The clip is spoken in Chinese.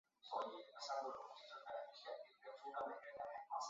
勒马德唐克。